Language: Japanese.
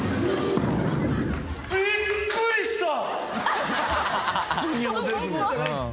びっくりした。